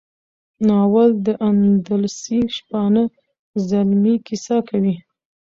ناول د اندلسي شپانه زلمي کیسه کوي.